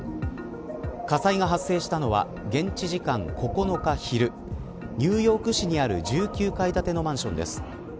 火災が発生したのは現地時間９日昼ニューヨーク市にある１９階建てのマンションです。